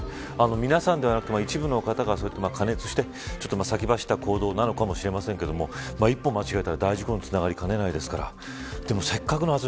皆さんでなくても一部の方が加熱して先走った行動なのかもしれませんが一歩間違ったら大事故につながりかねないですからせっかくの初売り